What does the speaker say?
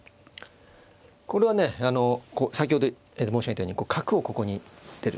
これはねあの先ほど申し上げたように角をここに出る。